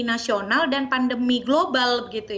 nasional dan pandemi global